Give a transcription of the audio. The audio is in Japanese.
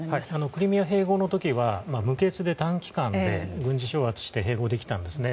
クリミア併合の時は無血で短期間で軍事掌握できたんですね。